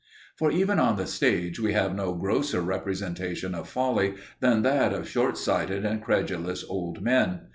For even on the stage we have no grosser representation of folly than that of short sighted and credulous old men.